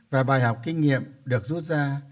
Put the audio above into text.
và bài học kinh nghiệm được rút ra